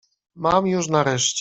"Mam już nareszcie."